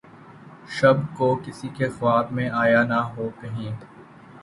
شب کو‘ کسی کے خواب میں آیا نہ ہو‘ کہیں!